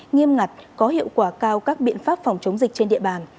nghiêm ngặt có hiệu quả cao các biện pháp phòng chống dịch trên địa bàn